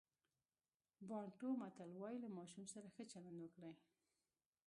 بانټو متل وایي له ماشوم سره ښه چلند وکړئ.